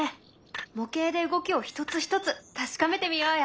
模型で動きを一つ一つ確かめてみようよ。